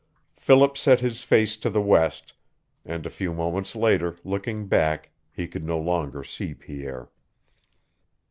Philip set his face to the west, and a few moments later, looking back, he could no longer see Pierre.